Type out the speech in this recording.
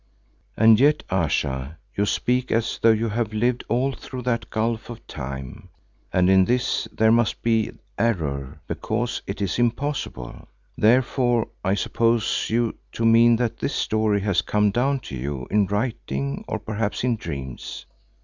And yet, Ayesha, you speak as though you have lived all through that gulf of time, and in this there must be error, because it is impossible. Therefore I suppose you to mean that this history has come down to you in writing, or perhaps in dreams.